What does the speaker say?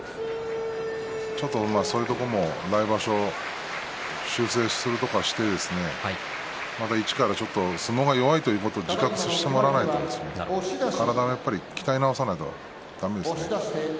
ちょっと、そういうところも来場所修正するところはして相撲が弱いというところを１回、自覚してもらって体を鍛え直さなきゃだめですね。